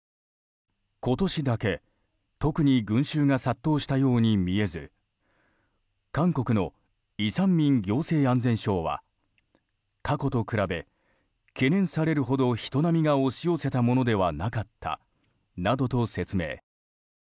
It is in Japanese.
今年だけ特に群衆が殺到したように見えず韓国のイ・サンミン行政安全相は過去と比べ、懸念されるほど人波が押し寄せたものではなかったなどと説明。